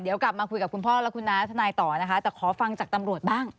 เดี๋ยวกลับมาคุยกับคุณพ่อและคุณน้าทนายต่อนะคะแต่ขอฟังจากตำรวจบ้าง